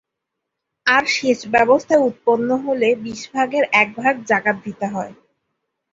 আর সেচ ব্যবস্থায় উৎপন্ন হলে বিশ ভাগের এক ভাগ যাকাত দিতে হবে।